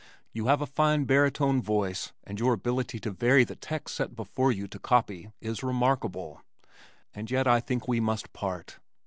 You have a fine baritone voice and your ability to vary the text set before you to copy, is remarkable, and yet I think we must part."